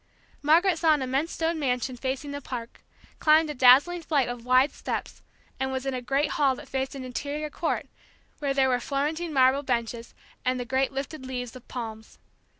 Margaret saw an immense stone mansion facing the park, climbed a dazzling flight of wide steps, and was in a great hall that faced an interior court, where there were Florentine marble benches, and the great lifted leaves of palms.